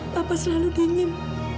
papa selalu dingin